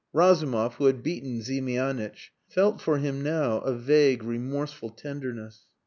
Razumov, who had beaten Ziemianitch, felt for him now a vague, remorseful tenderness.